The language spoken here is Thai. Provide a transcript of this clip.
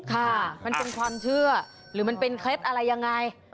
ค่ะมันเป็นความเชื่อหรือมันเป็นเคล็ดอะไรยังไง